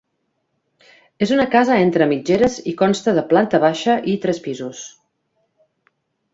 És una casa entre mitgeres i consta de planta baixa i tres pisos.